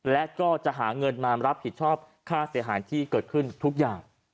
และก็จะหาเงินมารับผิดชอบค่าเสียหายที่เกิดขึ้นทุกอย่าง